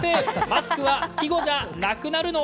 マスクは季語じゃなくなるの？